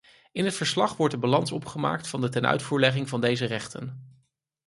In het verslag wordt de balans opgemaakt van de tenuitvoerlegging van deze rechten.